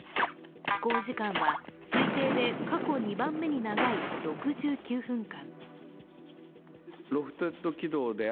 飛行時間は推定で過去２番目に長い６９分間。